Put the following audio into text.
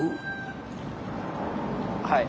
はい。